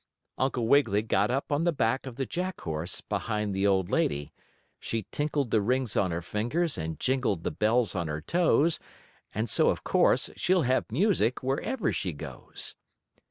Uncle Wiggily got up on the back of the Jack horse, behind the old lady. She tinkled the rings on her fingers and jingled the bells on her toes, and so, of course, she'll have music wherever she goes.